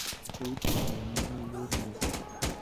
Koi tulwonin mi yun missing'.